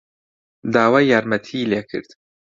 داوای یارمەتیی لێ کرد.